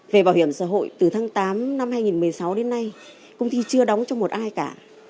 về bảo hiểm xã hội từ tháng tám năm hai nghìn một mươi sáu đến nay công ty chưa đóng cho một ai cả